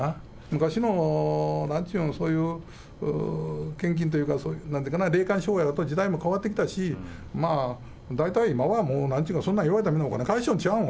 昔の、なんちゅうの、そういう献金というか、なんて言うかな、霊感商法からは時代も変わってきたし、まあ、大体今はもう、なんちゅうかそんなん言われたら、お金返しよるんちゃうの？